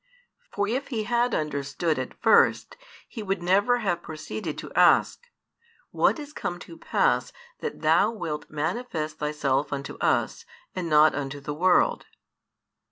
For if he had understood at first, he would never have proceeded to ask, What is come to pass that Thou wilt manifest Thyself unto us, and not unto the world?